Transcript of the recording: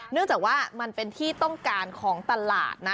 เนื่องจากว่ามันเป็นที่ต้องการของตลาดนะ